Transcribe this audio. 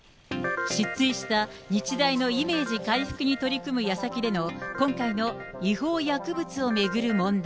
失墜した日大のイメージ回復に取り組むやさきでの、今回の違法薬物を巡る問題。